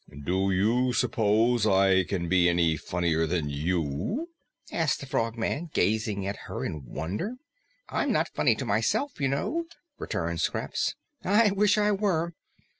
"Do you suppose I can be any funnier than you?" asked the Frogman, gazing at her in wonder. "I'm not funny to myself, you know," returned Scraps. "I wish I were.